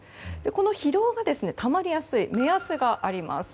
この疲労がたまりやすい目安があります。